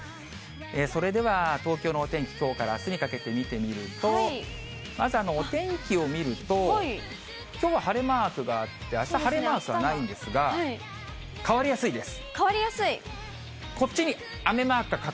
それでは東京のお天気、きょうからあすにかけて見てみると、まずお天気を見ると、きょうは晴れマークがあって、あした晴れマークはないんですが、変わりやすいです。